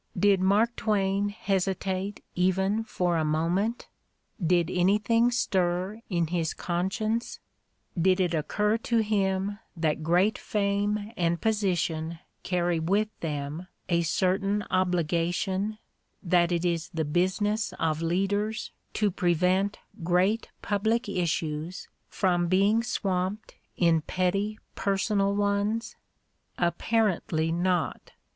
Did Mark Twain hesitate even for a moment ? Did anything stir in his conscience 1 Did it occur to him that great fame and position carry with them a certain obligation, that it is the business of leaders to prevent great public issues from being swamped in petty, personal ones ? Apparently not.